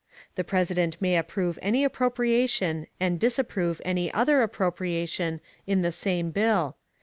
_The President may approve any appropriation and disapprove any other appropriation in the same bill.